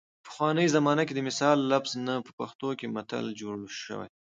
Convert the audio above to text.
پخوانۍ زمانه کې د مثل لفظ نه په پښتو کې متل جوړ شوی